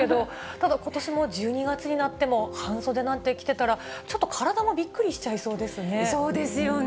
ただ、ことしも１２月になっても半袖なんて着てたら、ちょっと体もびっそうですよね。